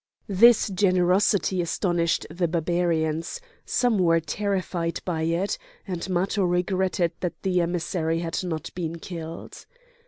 '" This generosity astonished the Barbarians; some were terrified by it, and Matho regretted that the emissary had not been killed.